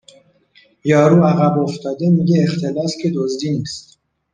یارو عقب افتاده میگه اختلاس که دزدی نیست